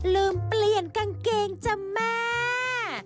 ลืมเปลี่ยนกางเกงจ้ะแม่